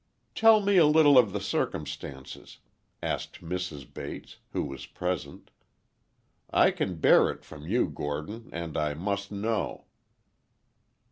'" "Tell me a little of the circumstances," asked Mrs. Bates, who was present. "I can bear it from you, Gordon, and I must know."